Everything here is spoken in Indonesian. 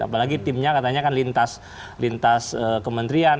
apalagi timnya katanya kan lintas kementerian